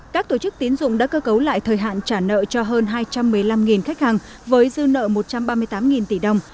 các tổ chức tiến dụng đã cơ cấu lại thời hạn trả nợ cho hơn hai trăm một mươi năm khách hàng với dư nợ một trăm ba mươi tám tỷ đồng